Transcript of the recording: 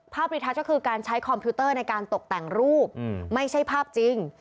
รีทัศน์ก็คือการใช้คอมพิวเตอร์ในการตกแต่งรูปไม่ใช่ภาพจริง